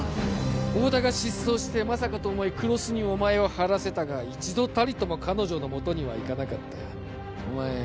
太田が失踪してまさかと思い黒須にお前を張らせたが一度たりとも彼女のもとには行かなかったお前